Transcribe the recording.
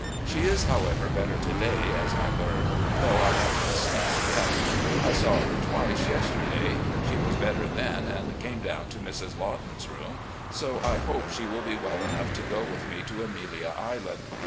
She is, however, better to day, as I learn, though I have not seen her yet. I saw her twice yesterday. She was better then and came down to Mrs. Lawton's room, so I hope she will be well enough to go with me to Amelia Island.